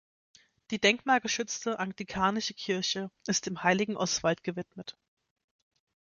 Die denkmalgeschützte anglikanische Kirche ist dem heiligen Oswald gewidmet.